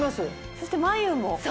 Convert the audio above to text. そして眉も。